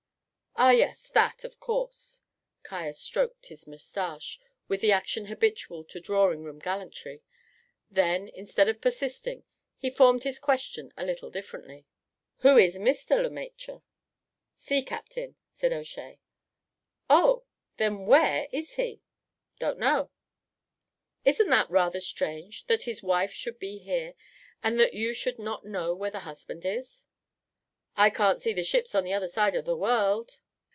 "Ah, yes; that, of course." Caius stroked his moustache with the action habitual to drawing room gallantry; then, instead of persisting, he formed his question a little differently: "Who is Mr. Le Maître?" "Sea captain," said O'Shea. "Oh! then where is he?" "Don't know." "Isn't that rather strange, that his wife should be here, and that you should not know where the husband is?" "I can't see the ships on the other side of the world."